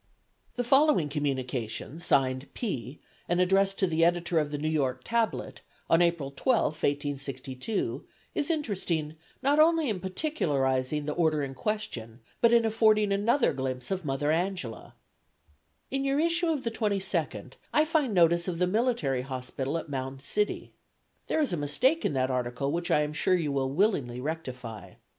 '" The following communication, signed "P," and addressed to the editor of the New York Tablet, on April 12, 1862, is interesting, not only in particularizing the order in question, but in affording another glimpse of Mother Angela: "In your issue of the 22d I find a notice of the military hospital at Mound City. There is a mistake in that article which I am sure you will willingly rectify.